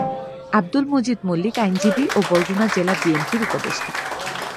আবদুল মজিদ মল্লিক আইনজীবী ও বরগুনা জেলা বিএনপির উপদেষ্টা।